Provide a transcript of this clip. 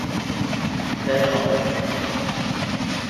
They are long.